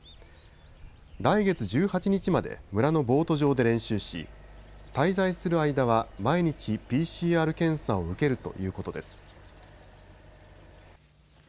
来月１８日まで村のボート場で練習し滞在する間は毎日ＰＣＲ検査を受けるということです。